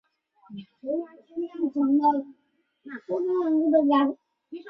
亦扎石古城的历史年代为清。